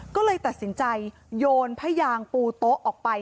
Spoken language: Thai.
ก็เลยตัดสินใจโยนผ้ายางปูโต๊ะออกไป